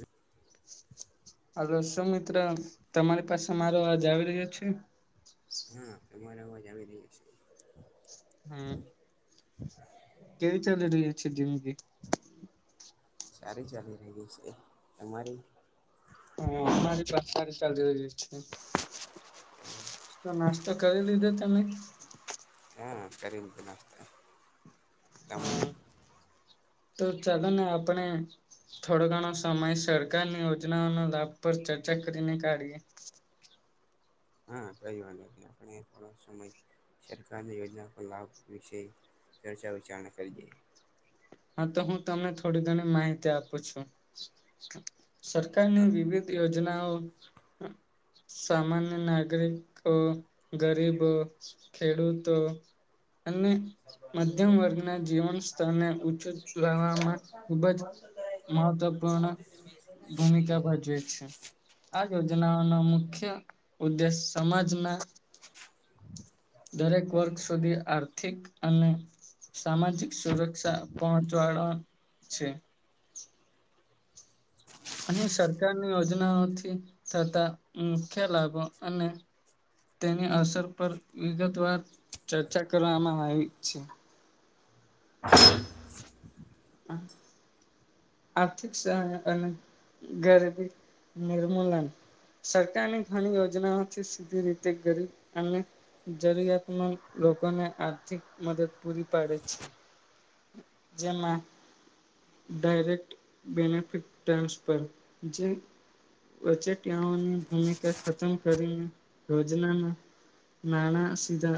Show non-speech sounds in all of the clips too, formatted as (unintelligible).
એક હલો સુ મિત્ર તમારી પાસે મારો આવાજ આવી રહ્યો છે હા તમારા અવાજ આવી રહ્યો છે હમ્મ કેવી ચાલી રહી છે જિંદગી સારી ચાલી રયુ છે અમારી (unintelligible) (unintelligible) તો નાસ્તો કરી લીધો તમે હા કરી મુકીયો નાસ્તો તમે હમ તો ચલો ને આપણે થોડો ઘણો સમય સરકારની યોજનાઓના લાભ પર ચર્ચા કરીને કાઢીએ હા કઈ વાંધ નથી આપણે થોડો સમય સરકારની યોજના પર લાભ વિશે ચર્ચા વિચારણા કરીએ હા તો હું તમને થોડી ઘણી માહિતી આપું છું સરકારની હા વિવિધ યોજનાઓ સામાન્ય નાગરિ કો ગરીબો ખેડૂતો અને મધ્યમ વર્ગના જીવન સ્તરને વામાં ખૂબ જ મહત્વપૂર્ણ ભૂમિકા ભજવે છે આ યોજનાઓ ન મુખ્ય ઉદ્દેશ સમાજના દરેક વર્ગ સુધી આર્થિક અને સામાજિક સુરક્ષા પહોંચાળવા છે. અહી સરકારની યોજનાઓથી થતા, મુખ્ય લાભો અને તેની અસર પર વિગત વાર ચર્ચા કરવામાં આવી છે. હા. આર્થિક સહાય અને ગરીબી નિર્મૂલન. સરકારની ઘણી યોજનાઓથી સીધી રીતે ગરીબ અને જરૂરિયાતમંદ લોકોને આર્થિક મદદ પૂરી પાડે છે. જેમાં. ડાયરેક્ટ બેનિફિટ, ટ્રાન્સફર જે વચેટીયાઓની ભૂમિકા ખતમ કરીને, યોજનામાં નાણા સીધા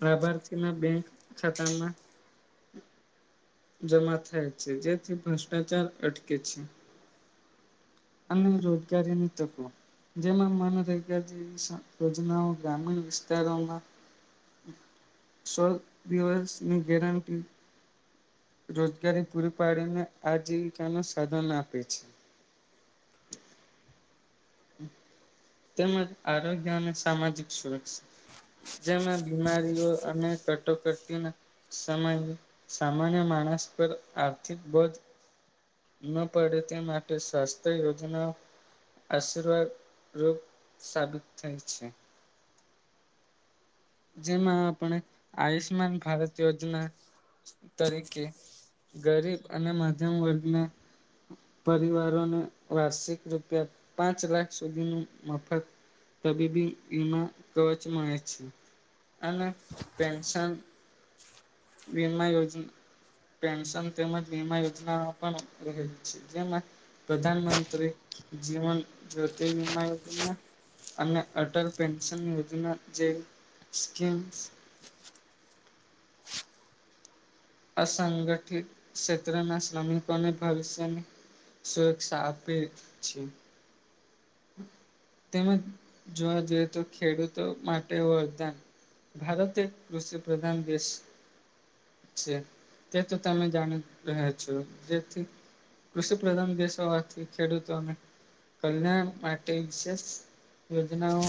લાભાર્થી ના બેંક ખાતામાં. જમા થાય છે, જેથી ભ્રષ્ટાચાર અટકે છે. અને રોજગારી ની તકો. જેમાં મન રગ જેવી યોજનાઓ, ગ્રામીણ વિસ્તારોમાં. સ દિવસની ગેરંટી. રોજગારી પૂરી પાડીને, આજીવિકા નુ સાધન આપે છે. તેમજ આરોગ્ય અને સામાજિક સુરક્ષા. જેમાં બીમારીઓ અને કટોકટીના સમાજ સામાન્ય માણસ પર આર્થિક બોધ. ના પડે તે, માટે સ્વસ્થ્ય યોજના. આશીર્વાદરૂપ સાબિત થાય છે. જેમાં આપણે આયુષ્માન ભારત યોજના. તરીકે ગરીબ અને મધ્યમ વર્ગને. પરિવારોને વાર્ષિક રૂપિયા પાંચ લાખ સુધીનું મફત. તબીબી એના કવચમાં આવે છે. અને પેન્શન વીમા યોજના. પેન્શન તેમજ વીમા યોજના પણ રહે છે, જેમાં પ્રધાન મંત્રી, જીવન જ્યોતિ, વીમા યોજના. અને અટલ પેન્શન યોજના જે સ્કીમ્સ. અસંગઠિત ક્ષેત્રના શ્રમિકોને ભવિષ્યની સુરક્ષા આપે છે. તેમજ જોવા જોઈએ, તો ખેડૂતો માટે વરદાન. ભારત એક કૃષિ પ્રધાન દેશ. તે તો તમે જાણી રહ્યા છો, જેથી કૃષિ પ્રધાન દેશ હોવાથી, ખેડૂતોને કલ્યાણ. માટે વિશે યોજનાઓ.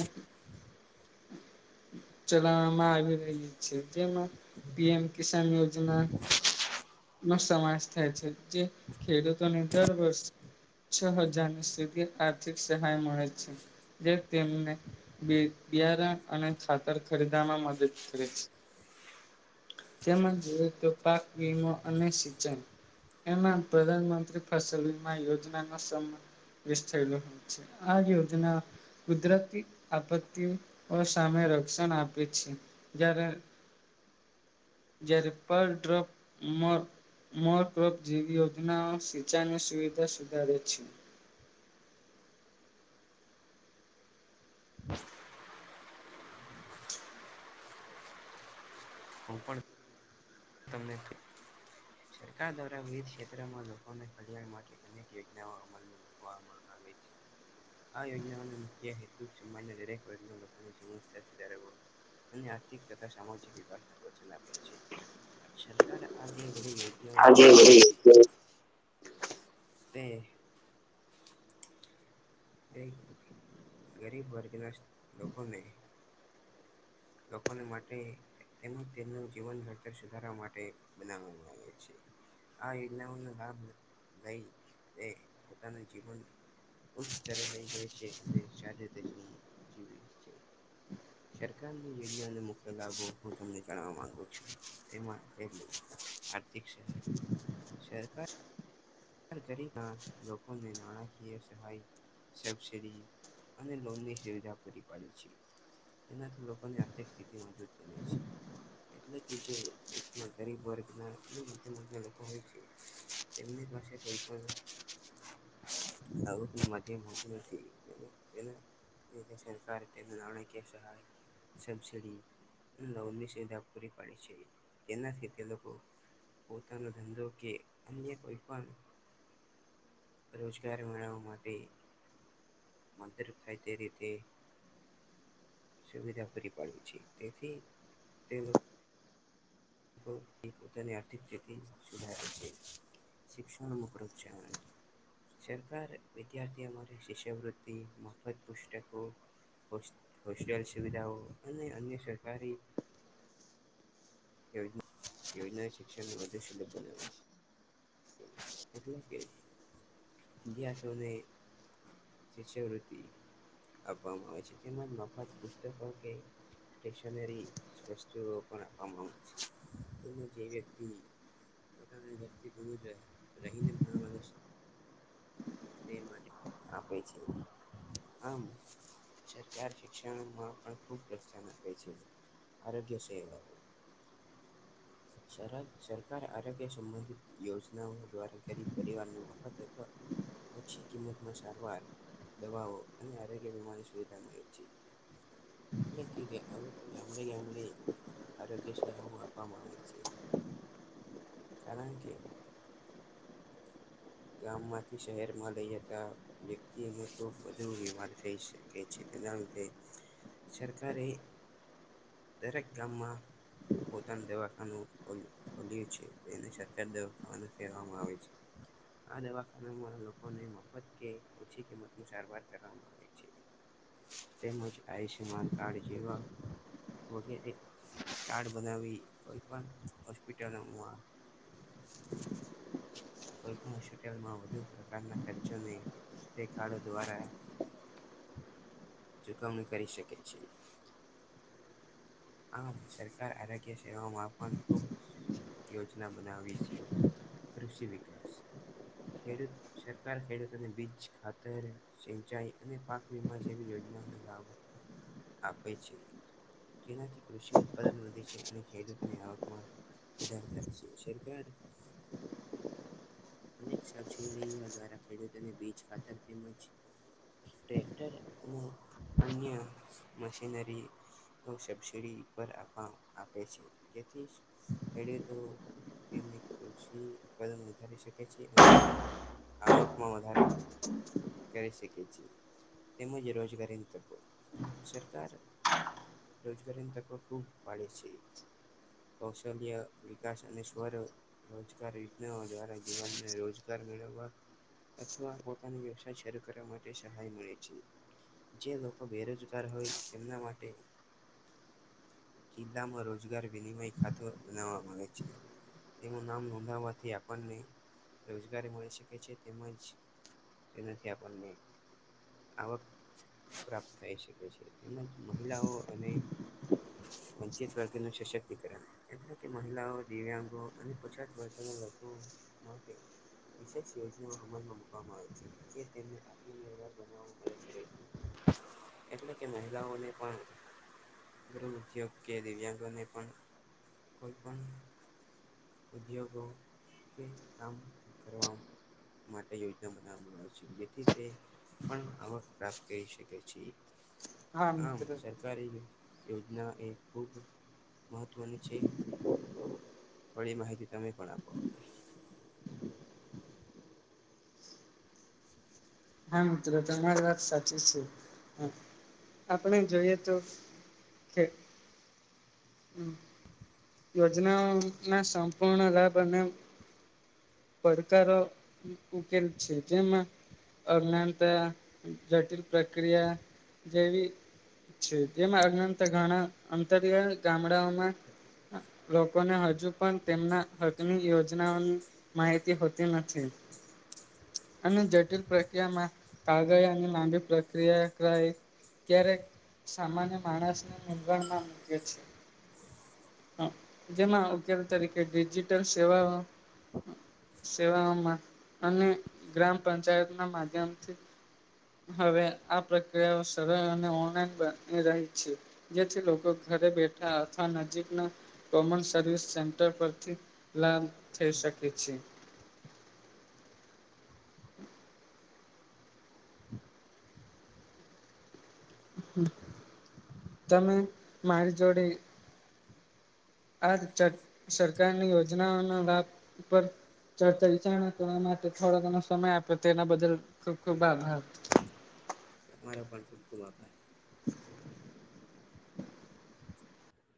ચલાવામાં આવી રહી છે, જેમાં પીએમ કિસાન યોજના. (unintelligible) થાય છે, જે ખેડૂતોને દર વર્ષે છ હજારની સુધી આર્થિક સહાય મળ છે, જે તેમને બિયારણ અને ખાતર ખરીદવામાં મદદ કરે છે. તે જ જોએ તો, પાક વીમો અને સિંચાઈ. એમાં પ્રધાનમંત્રી ફસલ વીમા યોજના નો સામેલ થયેલો. આ્યો ત ના (unintelligible) કુદરતી આપત્તિઓ સામે રક્ષણ આપે છે. જ્યારે પર ડ્રોપ મો ક્રોપ જીવી યોજના સિંચાઇનું સુવિધા સુધારે છે. (unintelligible) હું પણ. તમને સરકાર દ્વારા વિવિધ ક્ષેત્રમાં લોકોને કલ્યાણ માટે અનેક યોજનાઓ અમલમાં પવામાં આવેે છે. આ યોજનાઓનો મુખ્ય હેતુ સમાજના દરેક વર્ગના લોકોને સમ સુધારવો અને આર્થિક તથા સામાજિક વિકાસને પ્રોત્સાન આપે છે. સરકાર આગે વધળ યોજ છે. (unintelligible) તે એ ગરીબ વર્ગના લોકોને લોકોને માટે તેમજ તેમનું જીવન વળતર સુધારવા માટે બના લ છે. આ યોજનાઓનો લાભ લઈ તે પોતાના જીવન ઉ તરની જે છેષત્રને શદ તજીમ જીવી છે. મુખ્ય લાભો હું તમને જાણવા માંગુ છું તે છે શર (unintelligible) હર ઘરી ગ લોકોને નાણાકી સહાય સબસિડી અને લોન ની સુવિધા પૂરી પાડે છે. તેનાથી લોકોની આર્થિક સ્થિતિ મજબૂત બને છે. એટલે કે જે ગરીબ વર્ગ ના મધમ લોકો હોય છે. તેમમની પાસે કોઈપ આવુંને મું નથી એ જે તે સરકાર તેના નાણાકીય સહાય. સબસડી લોનની સુવિધા પૂરી પાડે છે, તેનાથી તે લોકો પોતાનો ધંધો કે અન્ય કોઈ પણ રોજગાર મેળવવા માટે મદર રૂપ થાય તે રીતે. સુવિધા પૂરી પાડી છે, તેથી તે એ પોધની આર્થિક પ્રતે સુધાર કર છે. શિક્ષણ મા પ્રોત્સાહન સરકાર વિદ્યાર્થીઓ માટે શિશ્યવૃત્તી મફત પુષ્ટકો હો હોસ્ટેલ સુવિધાઓ અને અન્ય સરકારી. યોજના શિક્ષણને વધુ સુલભ બનાવ. મતલબ કે વિદ્યાર્થી ઓને શિષ્યવૃત્તિ આવામાં છે, તેમાં માફાત બુજતો પા કે વસ્તુ આપવામાં આવે છે, જે વ્યક્તિ પોતાની ધરતી દૂર રહે રહીને ભણવા માગે જે. એ માટે આપે છે, આમ સરકાર શિક્ષણમાં પણ ખુબ પ્રોત્સાહન આપે છે. આરોગ્ય સેવાઓ (unintelligible) સરકાર આરોગ્ય સંબંધિત યોજનાઓ દ્વારા ગરીબ પરિવારની મફત અથવા ઓછી કિંમતમાં સારવાર દવાઓ અને આરોગ્ય વીમાની સુવિધા મળે છે. એટલે કે ગયા થઈ ગામડે ગામડે. આરોગ્ય સેવાઓ આપવામાં આવે છે, કારણ કે ગામમાંથી શહેરમાં લઈ જતા વ્યક્તિને તો બધું બીમાર થઈ શકે છે, તેના ‍ લીધે સરકારારે દરેક ગામમાં પોતાના દવાખનું ખલ ખોલ્યું છે, એને સરકાર દ્વા ખાવાનું કહેવામાં આવે છે. આ દવાખાનામાં લોકોને મફત કે ઓછી કિંમત ન સારવાર કરવામાં આવે છે. તેમજ આયુષ્માન કાર્ડ જીવા વગેરે કાર્ડ બનાવી કોઈ પણ હોસ્પિટલો મા (inaudible) કોય પણ હોમાં વધુ પ્રકારના ખર્ચો કારડો દ્વારા ચુકવણી કરી શકે છે. આમ સરકાર આરોગ્ય સેવાઓમાં પણ ખૂબ યોજના બનાવી છે, કૃષિ વિકાસ ખેડૂત સરકાર ખેડૂતોને બીજ ખાતર સિંચાઈ અને પાક વીમા જેવી યોજનાને લાભ આપે છે, જેનાથી કૃષિ ઉત્પાદન વધે છે, અને ખેડૂતોની આવકમા વિદાર્થ છે સરકાર અનેક સબસેરીઓ દ્વારા ખેડૂતોને બીજ ખાતર તેમજ ટ્રેક્ટર અને અન્ય મશીનરી સબસડી પર આપ આપે છે, જેથી ખેડ તો એને કૃષિ ઉત્પાદન વધારી શકે તેથી આવકમાં વધારો કરી શકી તેમ રોજગારીની તકો સરકાર રોજગારી ત ખૂબ પાળે છે. કૌશલ્ય વિકાસ અને સ્વર રોજગાર યોજનાઓ દ્વારા મને રોજગાર મેળગ અથવા પોતાનો વ્યવસાય શરૂ કરવા માટે સહાય મળે છે. જે લોકો બેરોજગાર હોય તેમના માટે કિલ્લામાં રોજગાર વિનિમય ખાતો નવાવામાંગ છે. તેનું નામ નોંધાવવાથી આપણને રોજગારી મળી શકે છે તેમજ તેનાથી આપણને આવક પ્રાપ્ત થઈ શકે છે તેમજ મહિલાઓ અને વંચી પ્રતિનું સશક્તિકરણ એટલે કે મહિલાઓ દિવ્યાંગો અને પછાત વર્ષના લોકો માટે વિશેષ યોજનાઓ અમલમાં મૂકવામાં આવે છે, જે તેમને આત્મનિર્ભર બનાવવામાં મદદ કરે છે. હ એટલે કે મહિલાઓને પણ ગૃહ ઉદ્યોગ કે દિવ્યાંગોને પણ કોઈ પણ ઉદ્યોગો કે કામ કરવા માટે યોજના બનાવવામાં છે, જેથી તે પણ આવક પ્રાપ્ત કરી શકે છે, હા આમ મિત્ર સરકારી યોજના એ ખૂબ મહત્વની છે. થોળી માહિતી તમે પણ આપો હા મિત્રો તમારી વાત સાચી છે. આપણે જોઈએ તો કે યોજનાઓના સંપૂર્ણ લાભ અને પડકારો ઉકેલ છે જેમાં અજ્ઞાનતા, જટિલ પ્રક્રિયા જેવી છે તેમા ઘણા અંતરિયાળ ગામડાઓમાં લોકોને હજુ પણ તેમના હકની યોજનાઓની માહિત હોતી નથી અને જટિલ પ્રક્રિયામાં કાગળ અને લાંબી પ્રક્રિયા ત્યારે સામાન્ય માણસને મુંજવણમાં મૂકે છે. હ જેમાં ઉકેલ તરીકે ડિજિટલ સેવાઓ સેવાઓમાં અને ગ્રામપંચાયત ના માધ્યમથી. હવે આ પ્રક્રિયાઓ સરળ અને ઓનલાઈન બની રહી છે. જેથી લોકો ઘરે બેઠા અથવા નજીકના કોમન સર્વિસ સેન્ટર પરથી લાભ થઈ શકે છે. તમે મારી જોડે આ સરકારની યોજનાઓના લાભ પર ચર્ચા વિચારણા કરવા માટે થોડો ઘણો સમય આપ્યો તો તેના બદલ ખુબ ખુબ આભાર તમારો પણ ખૂબ ખુબ આભાર